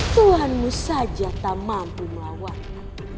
tuhanmu saja tak mampu melawan